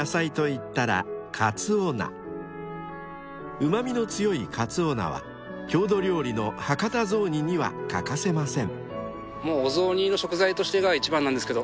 ［うま味の強いかつお菜は郷土料理の博多雑煮には欠かせません］